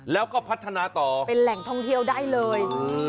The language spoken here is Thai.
แล้วก็พัฒนาต่อเป็นแหล่งท่องเที่ยวได้เลย